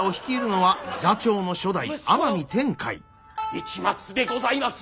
市松でございます。